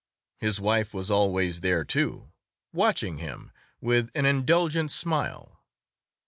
His wife was always there, too, watching him with an indulgent smile.